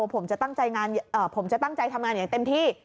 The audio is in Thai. ผมจะตั้งใจทำงานอย่างเต็มที่